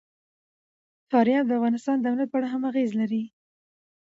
فاریاب د افغانستان د امنیت په اړه هم اغېز لري.